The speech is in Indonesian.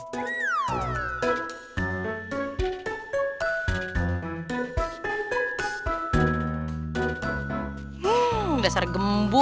hmm dasar gembul